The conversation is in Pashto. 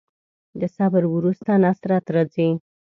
د صبر وروسته نصرت راځي.